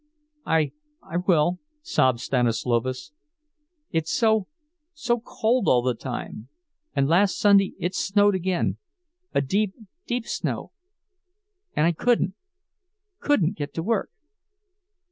"I—I will," sobbed Stanislovas. "It's so—so cold all the time. And last Sunday it snowed again—a deep, deep snow—and I couldn't—couldn't get to work."